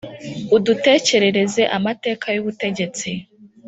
udutekerereze amateka y’ubutegetsi